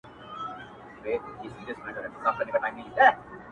پر لږو گرانه يې. پر ډېرو باندي گرانه نه يې.